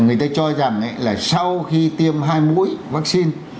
người ta cho rằng là sau khi tiêm hai mũi vaccine